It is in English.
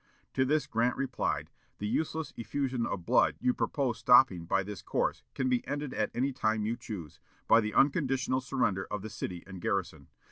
To this Grant replied: "The useless effusion of blood you propose stopping by this course can be ended at any time you choose, by the unconditional surrender of the city and garrison.